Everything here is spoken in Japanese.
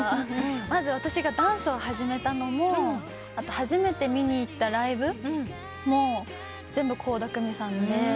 まず私がダンスを始めたのも初めて見に行ったライブも全部倖田來未さんで。